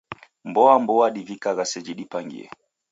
Mboa mboa divikiagha seji dipangie.